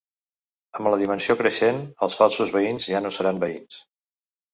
Amb la dimensió creixent, els falsos veïns ja no seran veïns.